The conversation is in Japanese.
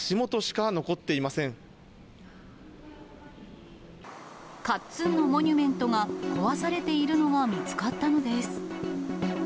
かっつんのモニュメントが壊されているのが見つかったのです。